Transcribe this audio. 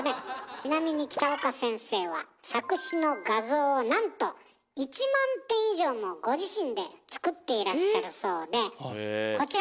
ちなみに北岡先生は錯視の画像をなんと１万点以上もご自身で作っていらっしゃるそうでこちら！